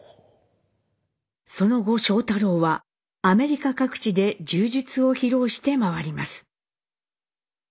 その後庄太郎はアメリカ各地で柔術を披露して回ります。